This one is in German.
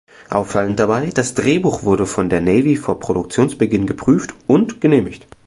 Auffallend dabei: Das Drehbuch wurde von der Navy vor Produktionsbeginn geprüft und genehmigt.